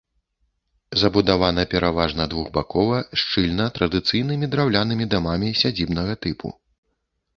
Забудавана пераважна двухбакова, шчыльна, традыцыйнымі драўлянымі дамамі сядзібнага тыпу.